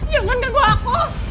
jangan ganggu aku